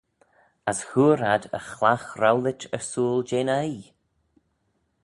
As hooar ad y chlagh rowlit ersooyl jeh'n oaie.